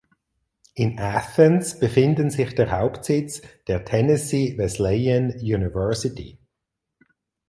In Athens befinden sich der Hauptsitz der Tennessee Wesleyan University.